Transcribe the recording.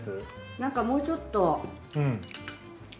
なんかもうちょっと。